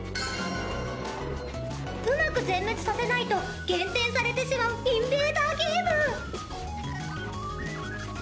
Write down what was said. うまく全滅させないと減点されてしまうインベーダーゲーム。